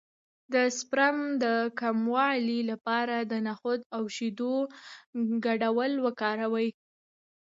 د سپرم د کموالي لپاره د نخود او شیدو ګډول وکاروئ